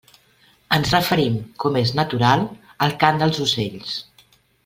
Ens referim, com és natural, al cant dels ocells.